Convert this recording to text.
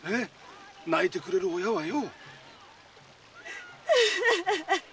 泣いてくれる親はよ。